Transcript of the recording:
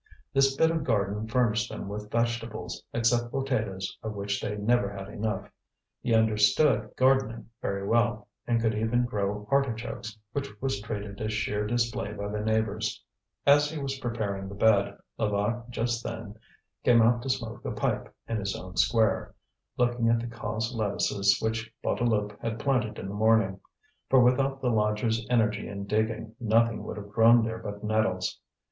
This bit of garden furnished them with vegetables, except potatoes of which they never had enough. He understood gardening very well, and could even grow artichokes, which was treated as sheer display by the neighbours. As he was preparing the bed, Levaque just then came out to smoke a pipe in his own square, looking at the cos lettuces which Bouteloup had planted in the morning; for without the lodger's energy in digging nothing would have grown there but nettles.